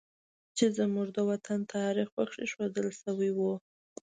چې زموږ د وطن تاریخ پکې ښودل شوی و